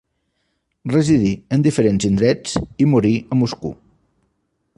Residí en diferents indrets i morí a Moscou.